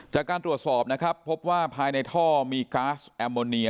จากการตรวจสอบนะครับพบว่าภายในท่อมีก๊าซแอมโมเนีย